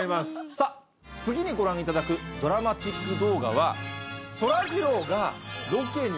さぁ次にご覧いただくドラマチック動画は。